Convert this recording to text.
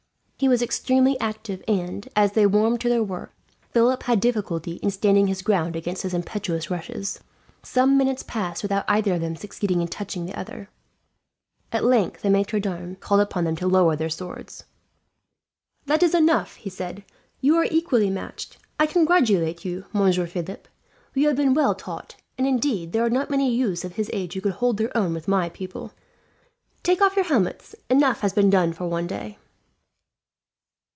He was extremely active and, as they warmed to their work, Philip had difficulty in standing his ground against his impetuous rushes. Some minutes passed without either of them succeeding in touching the other. At length the maitre d'armes called upon them to lower their swords. "That is enough," he said. "You are equally matched. "I congratulate you, Monsieur Philip. You have been well taught; and indeed, there are not many youths of his age who could hold their own with my pupil. "Take off your helmets. Enough has been done for one day."